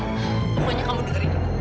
pokoknya kamu dengerin